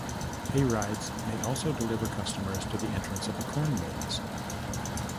Hayrides may also deliver customers to the entrance of a corn maze.